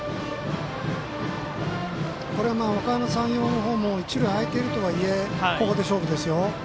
おかやま山陽の方も一塁空いているとはいえここで勝負ですよ。